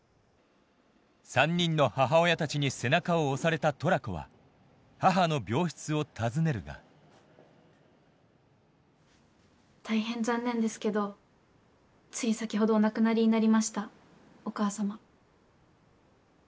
３人の母親たちに背中を押されたトラコは母の病室を訪ねるが大変残念ですけどつい先ほどお亡くなりになりましたお母様。